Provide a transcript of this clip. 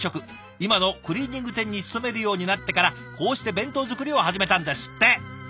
今のクリーニング店に勤めるようになってからこうして弁当作りを始めたんですって。